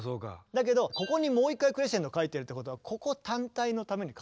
だけどここにもう一回クレッシェンドが書いてあるってことはここ単体のために書かれてるんですよね。